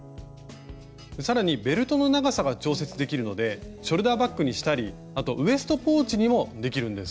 更にベルトの長さが調節できるのでショルダーバッグにしたりあとウエストポーチにもできるんです。